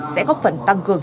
sẽ góp phần tăng cường